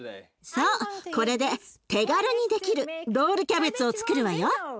これで手軽にできるロールキャベツをつくるわよ。